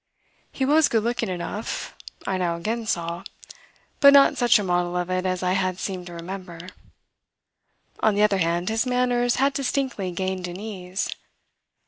He was good looking enough, I now again saw, but not such a model of it as I had seemed to remember; on the other hand his manners had distinctly gained in ease.